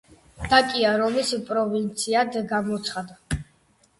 დაკია რომის პროვინციად გამოცხადდა.